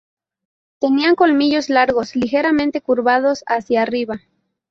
Tenían colmillos largos, ligeramente curvados hacia arriba.